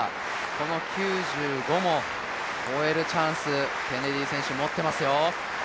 この９５も越えるチャンス、ケネディ選手、持っていますよ。